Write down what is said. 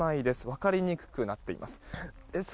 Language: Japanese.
分かりにくくなっています。